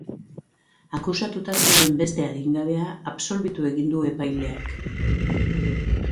Akusatuta zegoen beste adingabea absolbitu egin du epaileak.